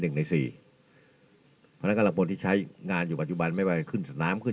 หนึ่งในสี่พนักการบนที่ใช้งานอยู่ปัจจุบันไม่ว่าจะขึ้นสนามขึ้น